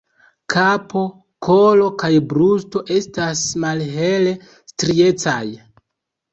Kapo, kolo kaj brusto estas malhele striecaj.